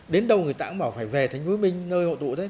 đến đâu người ta cũng bảo phải về thành phố nguyễn minh nơi hộ tụ đấy